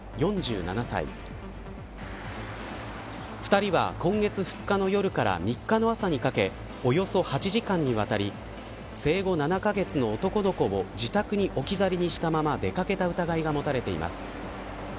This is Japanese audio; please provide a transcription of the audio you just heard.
２人は今月２日の夜から３日の朝にかけおよそ８時間にわたり生後７カ月の男の子を自宅に置き去りにしたまま出掛けた疑いが持たれています。